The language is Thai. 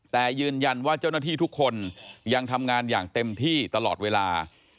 แต่ยืนยันว่าเจ้าหน้าที่ทุกคนยังทำงานอย่างเต็มที่ตลอดเวลา